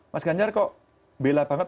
mas ganjar kok bela banget